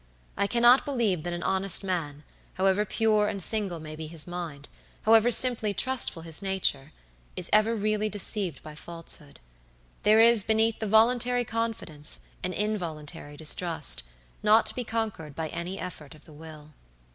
I cannot believe that an honest man, however pure and single may be his mind, however simply trustful his nature, is ever really deceived by falsehood. There is beneath the voluntary confidence an involuntary distrust, not to be conquered by any effort of the will.